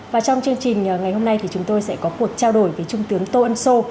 và trong chương trình ngày hôm nay thì chúng tôi sẽ có cuộc trao đổi với trung tướng tô ân sô